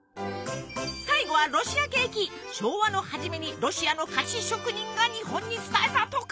最後は昭和の初めにロシアの菓子職人が日本に伝えたとか。